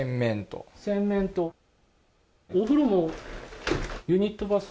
お風呂もユニットバス？